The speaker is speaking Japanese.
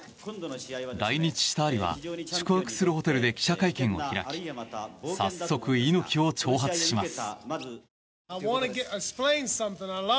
来日したアリは宿泊するホテルで記者会見を開き早速、猪木を挑発します。